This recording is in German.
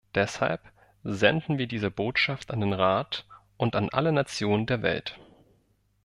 Deshalb senden wir diese Botschaft an den Rat und an alle Nationen der Welt.